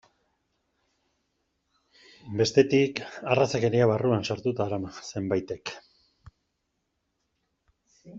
Bestetik, arrazakeria barruan sartuta darama zenbaitek.